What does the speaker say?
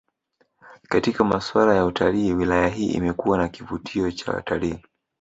Katika maswala ya utalii wilaya hii imekuwa na kivutio cha watalii